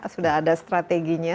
sudah ada strateginya